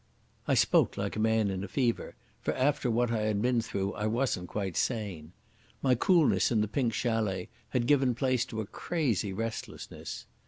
I spoke like a man in a fever, for after what I had been through I wasn't quite sane. My coolness in the Pink Chalet had given place to a crazy restlessness.